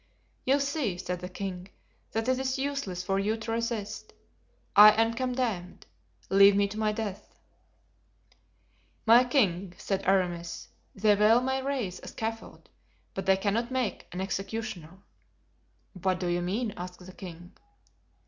"You see," said the king, "that it is useless for you to resist. I am condemned; leave me to my death." "My king," said Aramis, "they well may raise a scaffold, but they cannot make an executioner." "What do you mean?" asked the king.